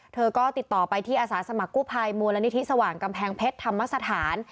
เธอก็ติดต่อไปที่อาสาสมัครกู้ภัยมูลนิธิสว่างกำแพงเพชรธรรมสถาน